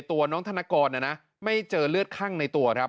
ตัวน้องธนกรไม่เจอเลือดคั่งในตัวครับ